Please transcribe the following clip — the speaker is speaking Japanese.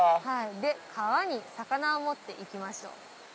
で川に魚を持って行きましょう。